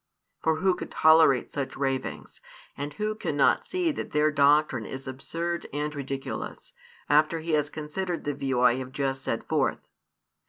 For who could tolerate such ravings, and who cannot see that their doctrine is absurd and ridiculous, after he has considered the view I have just set forth?